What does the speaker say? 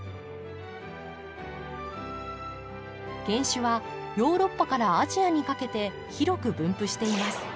原種はヨーロッパからアジアにかけて広く分布しています。